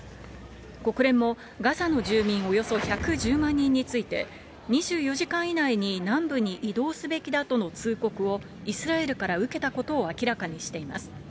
国連も、ガザの住民およそ１１０万人について、２４時間以内に南部に移動すべきだとの通告をイスラエルから受けたことを明らかにしています。